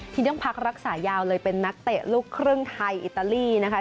ที่ต้องพักรักษายาวเลยเป็นนักเตะลูกครึ่งไทยอิตาลีนะคะ